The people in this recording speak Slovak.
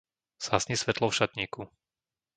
Zhasni svetlo v šatníku.